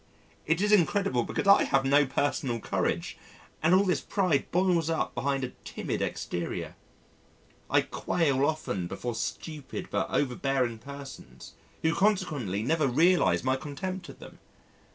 It is incredible because I have no personal courage and all this pride boils up behind a timid exterior. I quail often before stupid but over bearing persons who consequently never realise my contempt of them.